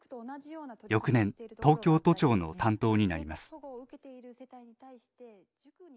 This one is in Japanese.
翌年東京都庁の担当になります。